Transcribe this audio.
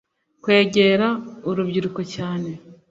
kwegera urubyiruko cyane